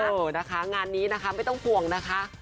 เออนะคะงานนี้นะคะไม่ต้องห่วงนะคะ